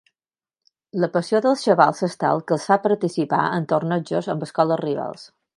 La passió dels xavals és tal que els fa participar en tornejos amb escoles rivals.